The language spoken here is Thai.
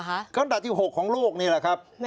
อันดับที่๖ของโลกนี่แหละครับ